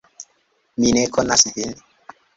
"Mi ne konas vin."